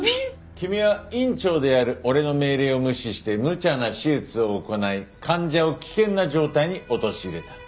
君は院長である俺の命令を無視してむちゃな手術を行い患者を危険な状態に陥れた。